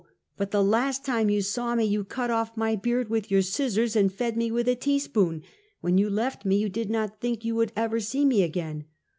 but the last time you saw me, you cut off my beard with your scissors and fed me with a tea spoon. "When 3'ou left me you did not think you would ever see me again."